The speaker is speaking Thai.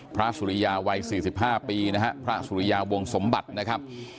สุริยาวัย๔๕ปีนะฮะพระสุริยาวงสมบัตินะครับ